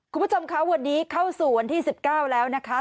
คุณผู้ชมคะวันนี้เข้าสู่วันที่๑๙แล้วนะคะ